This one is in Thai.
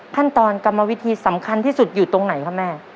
ขั้นตอนกรรมาวิธีสำคัญที่สุดอยู่ตรงไหนค่ะแม่